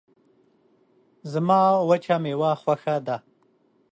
زما وچه میوه خوشه ده